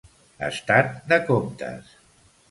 Estat de comptes.